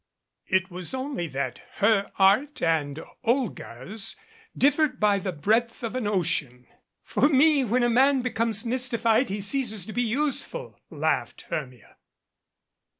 It was only that her art and Olga's differed by the breadth of an ocean. "For me, when a man becomes mystified he ceases to be useful," laughed Hermia.